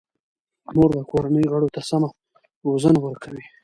مور د کورنۍ غړو ته سمه روزنه ورکوي.